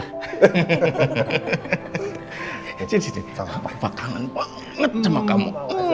sini sini opa kangen banget sama kamu